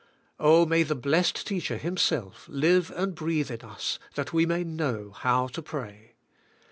Oh, may the Blessed Teacher, Him self, live and breathe in us, that we may know how to pray.